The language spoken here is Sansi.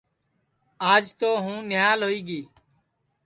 آج تو ہوں نھیال ہوئی گی